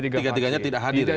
tiga tiganya tidak hadir